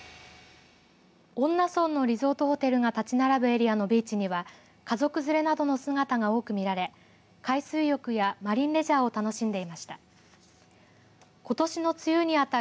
恩納村のリゾートホテルが建ち並ぶエリアのビーチには家族連れなどの姿が多く見られ海水浴やマリンレジャーを楽しんでいました。